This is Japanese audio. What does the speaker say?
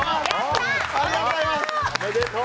おめでとう！